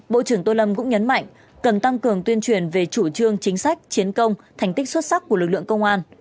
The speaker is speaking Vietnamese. bộ trưởng tô lâm cũng nhấn mạnh cần tăng cường tuyên truyền về chủ trương chính sách chiến công thành tích xuất sắc của lực lượng công an